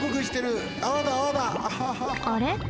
あれ？